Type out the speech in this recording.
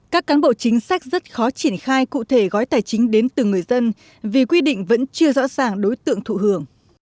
các cán bộ chính sách rất khó triển khai cụ thể gói tài chính đến từng người dân vì quy định vẫn chưa rõ ràng đối tượng thụ hưởng